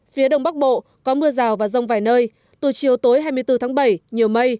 phía đông bắc bộ có mưa rào và rông vài nơi từ chiều tối hai mươi bốn tháng bảy nhiều mây